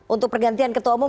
untuk pergantian ketua umum